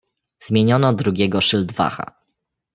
"Zmieniono drugiego szyldwacha."